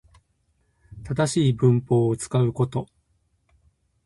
正しい文法を使うこと